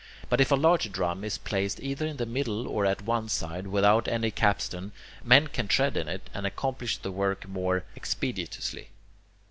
But if a larger drum is placed either in the middle or at one side, without any capstan, men can tread in it and accomplish the work more expeditiously.